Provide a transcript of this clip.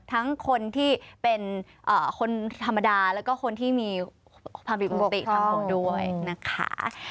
ทั้งคนที่เป็นคนธรรมดาแล้วก็คนที่มีความผิดปกติทางหนูด้วยนะคะ